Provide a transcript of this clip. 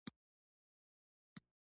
نوي عصري سیسټم ته ابتدايي سیسټم بدل کړو.